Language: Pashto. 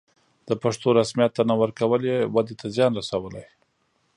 د پښتو رسميت ته نه ورکول یې ودې ته زیان رسولی.